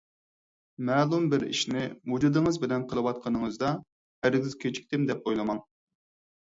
مەلۇم بىر ئىشنى ۋۇجۇدىڭىز بىلەن قىلىۋاتقىنىڭىزدا، ھەرگىز كېچىكتىم دەپ ئويلىماڭ.